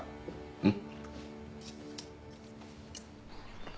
うん。